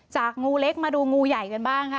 จากงูเล็กมาดูงูใหญ่กันบ้าง